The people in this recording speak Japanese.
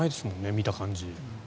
見た感じ。